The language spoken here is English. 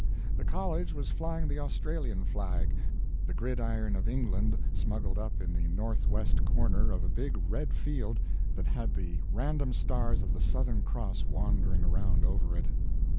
The college was flying the Australian flag the gridiron of England smuggled up in the northwest corner of a big red field that had the random stars of the Southern Cross wandering around over it.